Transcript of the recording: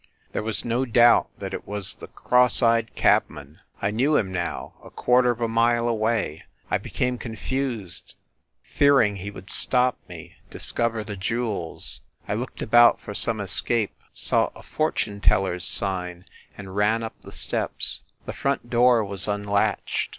... There was no doubt that it was the cross eyed cab man. I knew him now, a quarter of a mile away. ... I became confused, fearing he would stop 46 FIND THE WOMAN me ... discover the jewels. ... I looked about for some escape, saw a fortune teller s sign, and ran up the steps. The front door was unlatched.